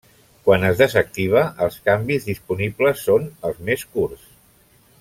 Quan es desactiva, els canvis disponibles són els més curts.